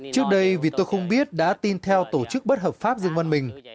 trước đây vì tôi không biết đã tin theo tổ chức bất hợp pháp dương văn mình